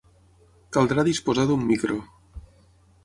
Caldrà disposar d’un micro.